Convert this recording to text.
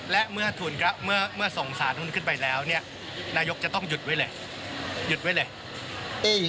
และเมื่อส่งสารขึ้นไปแล้วนายกจะต้องหยุดไว้เลยหยุดไว้เลย